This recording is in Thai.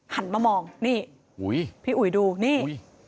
หันมามองนี่พี่อุ๋ยดูนี่